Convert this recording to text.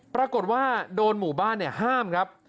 ปรากฏว่าโดนหมู่บ้านห้ามครับ